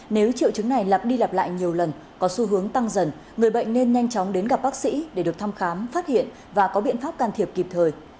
nếu triệu chứng này lặp đi lặp lại nhiều lần có xu hướng tăng dần người bệnh nên nhanh chóng đến gặp bác sĩ để được thăm khám phát hiện và có biện pháp can thiệp kịp thời